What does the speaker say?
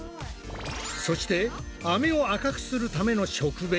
そしてアメを赤くするための食紅！